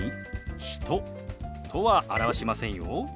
「人」とは表しませんよ。